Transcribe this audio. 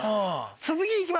続きいきます。